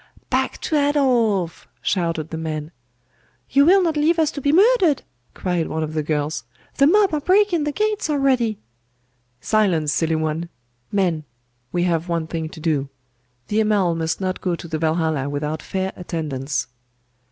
'Back to Adolf!' shouted the men. 'You will not leave us to be murdered?' cried one of the girls. 'The mob are breaking the gates already!' 'Silence, silly one! Men we have one thing to do. The Amal must not go to the Valhalla without fair attendance.